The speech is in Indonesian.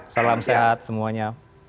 salam sehat semuanya